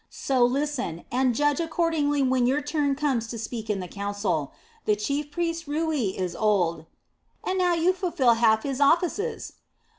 So listen, and judge accordingly when your turn comes to speak in the council. The chief priest Rui is old...." "And you now fill half his offices."